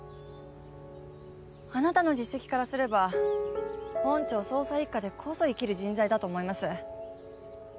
あなたの実績からすれば本庁捜査一課でこそいきる人材だと思います。